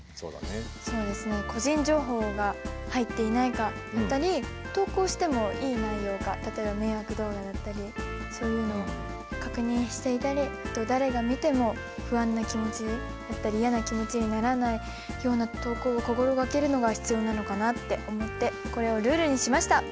そうですね個人情報が入っていないかだったり投稿してもいい内容か例えば迷惑動画だったりそういうのを確認したり誰が見ても不安な気持ちだったりやな気持ちにならないような投稿を心がけるのが必要なのかなって思ってこれをルールにしました。